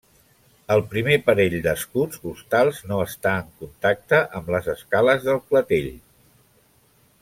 El primer parell d'escuts costals no està en contacte amb les escales del clatell.